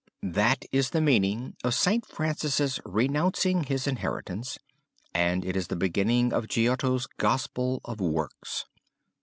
"That is the meaning of St. Francis' renouncing his inheritance; and it is the beginning of Giotto's gospel of Works.